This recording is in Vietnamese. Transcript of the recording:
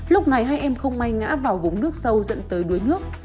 lúc này hai em không may ngã vào gống nước sâu dẫn tới đuối nước